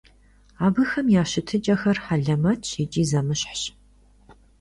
Абыхэм я щытыкӀэхэр хьэлэмэтщ икӀи зэмыщхьщ.